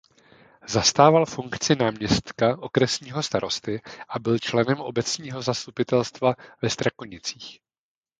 Zastával funkci náměstka okresního starosty a byl členem obecního zastupitelstva ve Strakonicích.